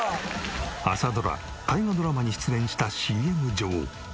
朝ドラ大河ドラマに出演したＣＭ女王。